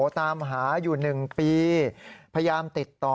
ตามหาอยู่๑ปีพยายามติดต่อ